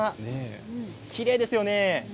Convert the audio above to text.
きれいですよね。